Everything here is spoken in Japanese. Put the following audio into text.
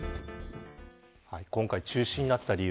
今回、中止になった理由。